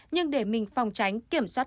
nhưng để mình phòng tránh kiểm soát